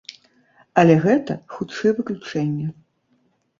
Але гэта, хутчэй, выключэнне.